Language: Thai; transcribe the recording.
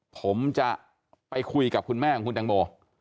ผมจะไปคุยกับคุณแม่ของคุณตังโม